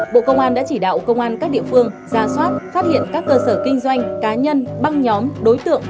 bộ công an đã chỉ đạo công an các địa phương ra soát phát hiện các cơ sở kinh doanh cá nhân băng nhóm đối tượng